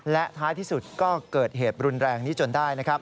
และท้ายที่สุดเกิดเหตุรุนแรงนี้จนได้